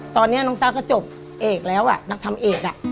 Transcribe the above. ตอนนี้น้องต้าก็จบเอกแล้วนักทำเอก